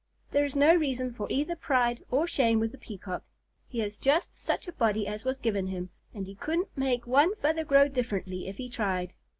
There is no reason for either pride or shame with the Peacock. He has just such a body as was given him, and he couldn't make one feather grow differently if he tried."